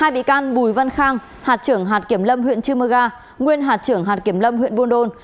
hai bị can bùi văn khang hạt trưởng hạt kiểm lâm huyện chư mơ ga nguyên hạt trưởng hạt kiểm lâm huyện buôn đôn